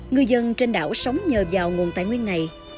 người dân trên đảo sống nhờ vào nguồn tài nguyên này